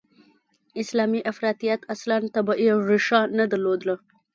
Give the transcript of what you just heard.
اسلامي افراطیت اصلاً طبیعي ریښه نه درلوده.